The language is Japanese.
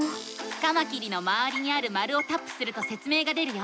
カマキリのまわりにある丸をタップするとせつ明が出るよ。